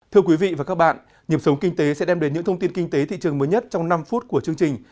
thưa quý vị và các bạn nhiệm sống kinh tế sẽ đem đến những thông tin kinh tế thị trường mới nhất trong năm phút của chương trình